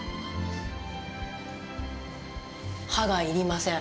歯が要りません。